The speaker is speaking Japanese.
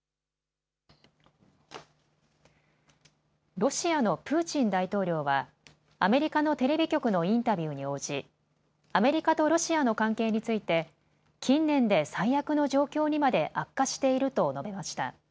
ロシアのプーチン大統領はアメリカのテレビ局のインタビューに応じアメリカとロシアの関係について近年で最悪の状況にまで悪化していると述べました。